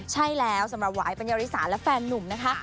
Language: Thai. ใช่แล้วสำหรับหวายปัญญาริสาและแฟนนุ่มนะคะ